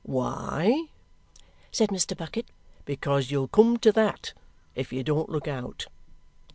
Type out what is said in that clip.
"Why?" said Mr. Bucket. "Because you'll come to that if you don't look out.